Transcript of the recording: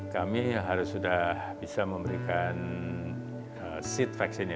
kami harus sudah bisa memberikan